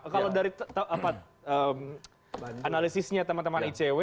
kalau dari analisisnya teman teman icw